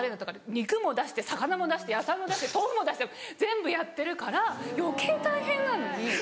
肉も出して魚も出して野菜も出して豆腐も出して全部やってるから余計大変なのに。